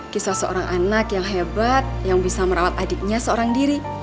kisah seorang anak yang hebat yang bisa merawat adiknya seorang diri